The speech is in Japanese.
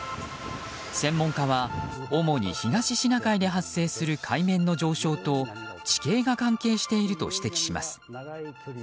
専門家は主に東シナ海で発生する海面の上昇と地形が関係していると指摘します。